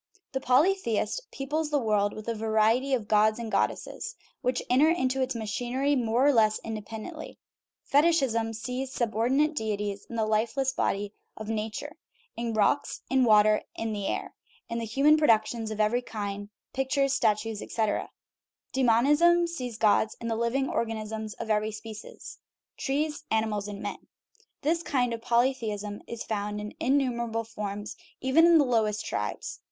The polytheist peoples the world with a variety of gods and goddesses, which enter into its machinery more or less independently. Fetichism sees such sub ordinate deities in the lifeless body of nature, in rocks, in water, in the air, in human productions of every kind (pictures, statues, etc.). Demonism sees gods in living organisms of every species trees, animals, and GOD AND THE WORLD men. This kind of polytheism is found in innumer able forms even in the lowest tribes.